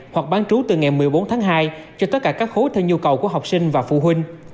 hoặc bán trú từ ngày một mươi bốn tháng hai cho tất cả các khối theo nhu cầu của học sinh và phụ huynh